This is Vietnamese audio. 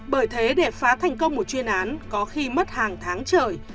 bởi thế để phá thành công một chuyên án có khi mất hàng tháng trời